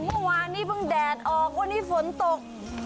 เมื่อวานนี้เพิ่งแดดออกวันนี้ฝนตก